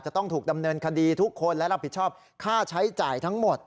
ต้องถูกดำเนินคดีทุกคนและรับผิดชอบค่าใช้จ่ายทั้งหมด